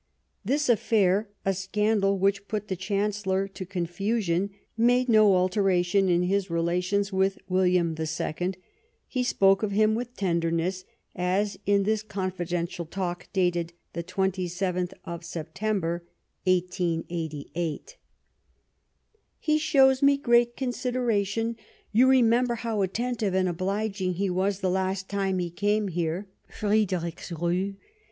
This affair, a scandal which put the Chancellcr to confusion, made no alteration in his relations with William II ; he spoke of him with tenderness, as in this confidential talk dated the 27th of Sep tem.ber, 1888: P 22'> Bismarck " He shows me great consideration. You re member how attentive and obhging he was the last time he came here [Friedrichsruh]